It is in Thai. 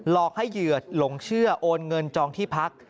อกให้เหยื่อหลงเชื่อโอนเงินจองที่พัก